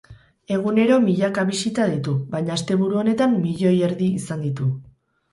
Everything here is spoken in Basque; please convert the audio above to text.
Egunero milaka bisita ditu, baina asteburu honetan milioi erdi izan ditu.